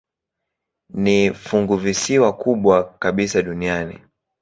Ni funguvisiwa kubwa kabisa duniani.